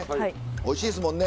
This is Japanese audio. おいしいですもんね！